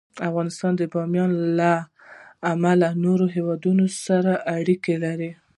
افغانستان د بامیان له امله له نورو هېوادونو سره اړیکې لري.